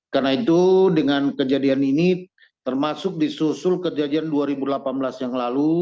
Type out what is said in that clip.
karena itu dengan kejadian ini termasuk disusul kejadian dua ribu delapan belas yang lalu